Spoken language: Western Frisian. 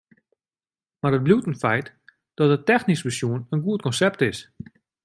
Mar it bliuwt in feit dat it technysk besjoen in goed konsept is.